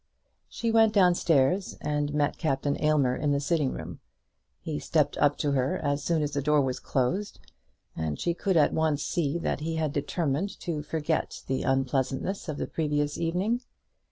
She went down stairs and met Captain Aylmer in the sitting room. He stepped up to her as soon as the door was closed, and she could at once see that he had determined to forget the unpleasantnesses of the previous evening.